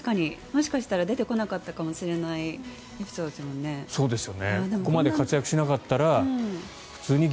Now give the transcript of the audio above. もしかしたら出てこなかったかもしれないエピソードですよね。